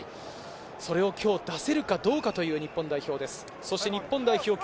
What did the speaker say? それを出せるかどうかという日本代表です。